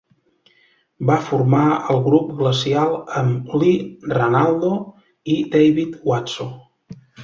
Va formar el grup Glacial amb Lee Ranaldo i David Watso.